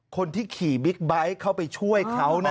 คนที่ขี่บิ๊กไบท์เข้าไปช่วยเขานะ